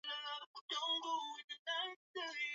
Mawasiliano kwa vyombo vya habari ni mawasiliano ambako